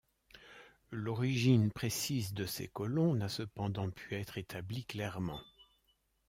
L'origine précise de ces colons n'a cependant pu être établie clairement.